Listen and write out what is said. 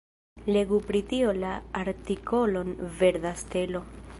Legu pri tio la artikolon Verda stelo.